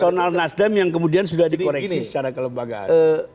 personal nasdem yang kemudian sudah dikoreksi secara kelembagaan